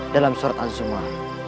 dalam surat an zum'ah